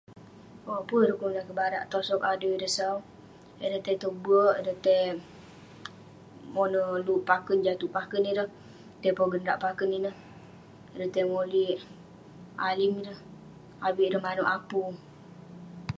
Owk, pun ireh kelunan kik barak, tosog adui ireh sau. Ireh tai tong be'ek, ireh tai moner luk paken jatuk paken ireh, tai pogen rak paken ineh, ireh tai molik alim ineh, avik ireh manouk apu.